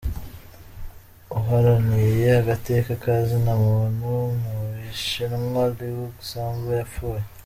Uwaharaniye agateka ka zina muntu mu Bushinwa, Liu Xiaobo, yapfuye.